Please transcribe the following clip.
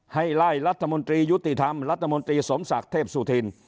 ให้ไล่รัฐมนตรียุติธรรมรัฐมนตรีสมศักดิ์เทพสุธิน